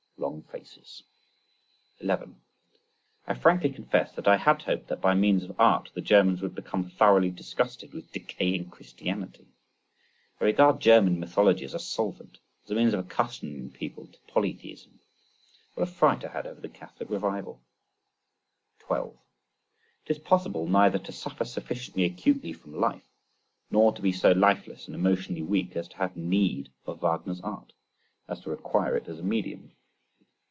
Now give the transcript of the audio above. Long faces. 11. I frankly confess that I had hoped that by means of art the Germans would become thoroughly disgusted with decaying Christianity—I regarded German mythology as a solvent, as a means of accustoming people to polytheism. What a fright I had over the Catholic revival!! 12. It is possible neither to suffer sufficiently acutely from life, nor to be so lifeless and emotionally weak, as to have need of Wagner's art, as to require it as a medium.